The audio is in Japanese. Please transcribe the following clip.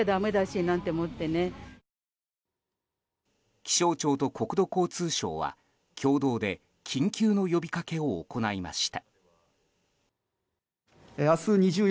気象庁と国土交通省は、共同で緊急の呼びかけを行いました。